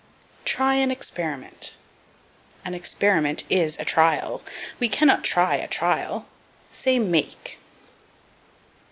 Try an Experiment. An experiment is a trial; we cannot try a trial. Say, make.